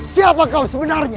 siapa kau sebenarnya